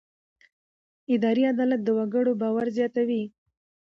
اداري عدالت د وګړو باور زیاتوي.